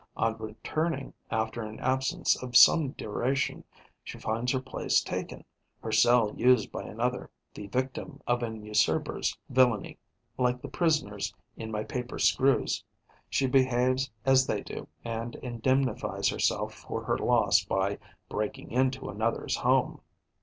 On returning after an absence of some duration, she finds her place taken, her cell used by another. The victim of an usurper's villainy, like the prisoners in my paper screws, she behaves as they do and indemnifies herself for her loss by breaking into another's home.